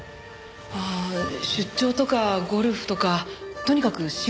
ああ出張とかゴルフとかとにかく仕事人間ですので。